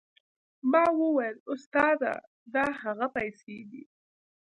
ما وويل استاده دا هغه پيسې دي.